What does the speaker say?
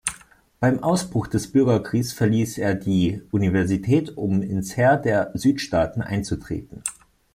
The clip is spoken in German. Beim Ausbruch des Bürgerkrieges verließ er die Universität, um ins Heer der Südstaaten einzutreten.